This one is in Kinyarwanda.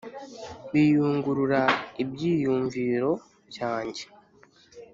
Biyungurura ibyiyunviro byanjye